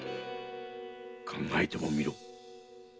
考えてもみろ。